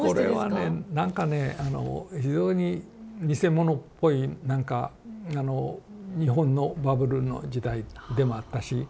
これはねなんかねあの非常に偽物っぽいなんかあの日本のバブルの時代でもあったし。